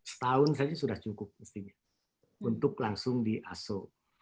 setahun saja sudah cukup mestinya untuk langsung di aso